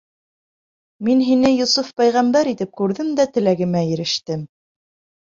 Мин һине Йософ пәйғәмбәр итеп күрҙем дә теләгемә ирештем.